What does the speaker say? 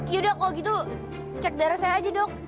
yaudah kalau gitu cek darah saya aja dok